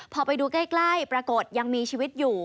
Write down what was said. พอไปดูใกล้ปรากฏยังมีชีวิตอยู่